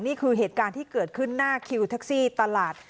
นี่คือเหตุการณ์ที่เกิดขึ้นหน้าคิวแท็กซี่ตลาด